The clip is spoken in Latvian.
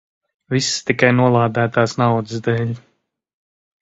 Viss tikai nolādētās naudas dēļ.